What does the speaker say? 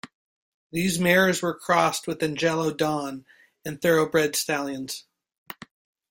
These mares were crossed with Anglo-Don and Thoroughbred stallions.